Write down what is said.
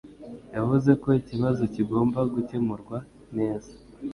Yavuze ko ikibazo kigomba gukemurwa neza.